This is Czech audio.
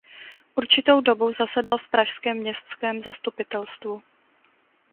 Určitou dobu zasedal v pražském městském zastupitelstvu.